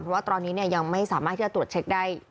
เพราะว่าตอนนี้ยังไม่สามารถที่จะตรวจเช็คได้